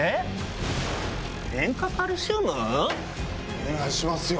お願いしますよ